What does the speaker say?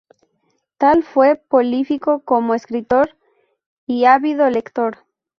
Tal fue prolífico como escritor y ávido lector.